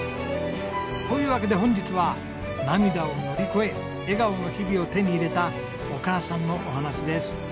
というわけで本日は涙を乗り越え笑顔の日々を手に入れたお母さんのお話です。